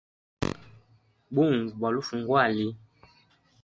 Bunvu bwali ufa ngwali.